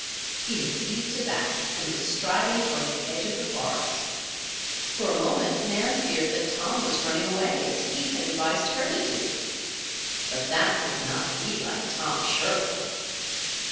He had seized his axe and was striding toward the edge of the forest. For a moment Nan feared that Tom was running away as he advised her to do. But that would not be like Tom Sherwood!